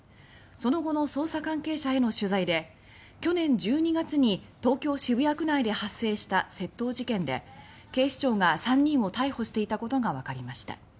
その後の捜査関係者への取材で去年１２月に東京・渋谷区内で発生した窃盗事件で警視庁が３人を逮捕していたことがわかりました。